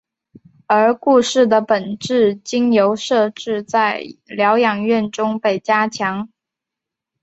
而故事的本质经由设置在疗养院中被加强。